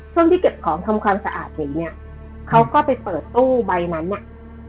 ช่วงที่เก็บของทำความสะอาดอยู่เนี้ยเขาก็ไปเปิดตู้ใบนั้นน่ะ